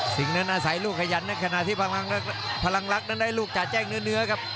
สิงห์นั้นน่าไถลูกใหญ่อยังขนาดพลังรักนั้นได้ลูกจ่ายแจ้งเนื้อ